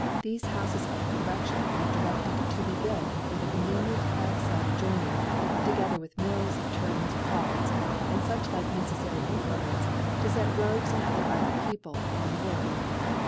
• thefc Houfes of CoTteftion direfted ^ to be built with a convcn * Backfide adjoining, together with Vi ^ Turtis, Cards, and fuch like neceflary ^ plements, to fet Rogues and other * Feople on Work.